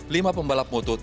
lima pembalap moto dua